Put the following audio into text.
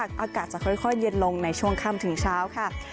อากาศจะค่อยเย็นลงในช่วงค่ำถึงเช้าค่ะ